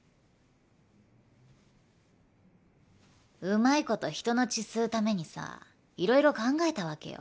うまいこと人の血吸うためにさ色々考えたわけよ。